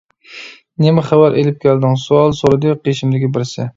نېمە خەۋەر ئېلىپ كەلدىڭ، سوئال سورىدى قىشىمدىكى بىرسى.